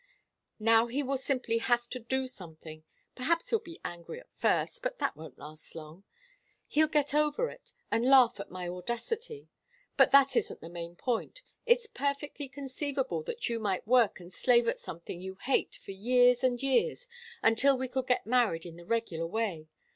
"Now he will simply have to do something. Perhaps he'll be angry at first, but that won't last long. He'll get over it and laugh at my audacity. But that isn't the main point. It's perfectly conceivable that you might work and slave at something you hate for years and years, until we could get married in the regular way.